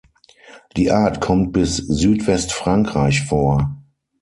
Die Art kommt bis Südwestfrankreich vor.